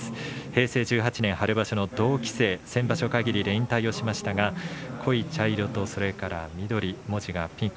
平成１８年春場所の同期で先場所かぎりで引退しましたが濃い茶色と緑、文字はピンク